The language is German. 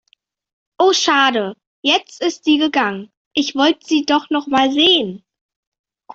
Oh schade, jetzt ist sie gegangen. Ich wollte sie doch nochmal sehen.